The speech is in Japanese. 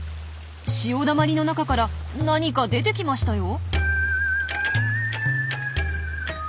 潮だまりの中から何か出てきましたよ。